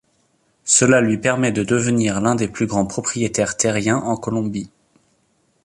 Cela lui permet de devenir l'un des plus grands propriétaires terriens en Colombie.